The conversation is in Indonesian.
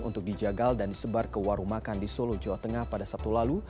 untuk dijagal dan disebar ke warung makan di solo jawa tengah pada sabtu lalu